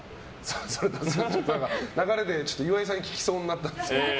その流れで岩井さんに聞きそうになったんですけど。